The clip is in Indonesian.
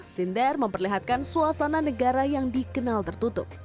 sinder memperlihatkan suasana negara yang dikenal tertutup